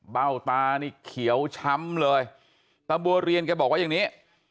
เบ้าตานี่เขียวช้ำเลยตะบัวเรียนแกบอกว่าอย่างนี้